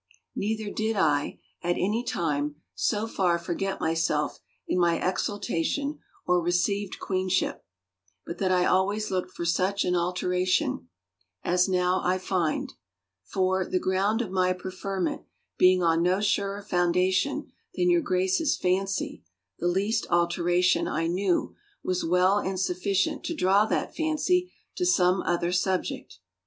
Neither did I at any 342 A LETTER AND TWO SONGS time so far forget myself in my exaltation or received Queenship, but that I always looked for such an altera tion as now I find; for, the ground of my preferment being on no surer foundation than your Grace's fancy, the least alteration, I knew, was well and sufficient to draw that fancy to some other subject.